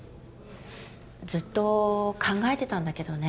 ずっと考えてたんだけどね